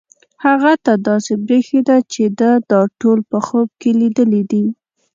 هغه ته داسې برېښېده چې ده دا ټول په خوب کې لیدلي دي.